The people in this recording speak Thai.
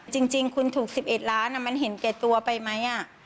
จริงคุณถูก๑๑ล้านมันเห็นแก่ตัวไปไหม